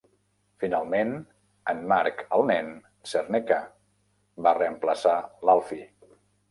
Finalment, en Mark "El Nen" Cerneka va reemplaçar l'Alfie.